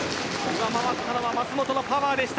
上回ったのは舛本のパワーでした。